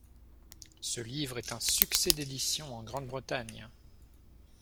Ce livre est un succès d'édition en Grande-Bretagne.